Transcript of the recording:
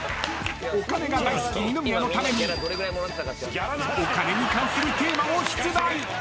お金が大好き二宮のためにお金に関するテーマを出題。